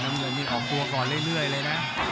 น้องมีนออกตัวก่อนเรื่อยเลยนะ